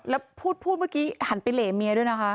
แล้วพูดเมื่อกี้หันไปเหล่เมียด้วยนะคะ